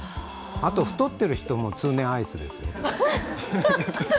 あと太ってる人も通年アイスですよ。